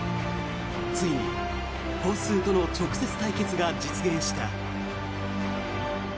ついにホッスーとの直接対決が実現した。